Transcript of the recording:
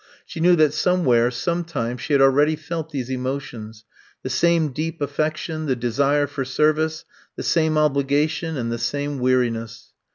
She knew that somewhere, some time, she had already felt these emotions — the same deep affection, the desire for service, the same obligation, and the same weariness.